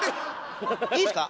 いいですか？